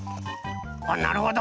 おっなるほど。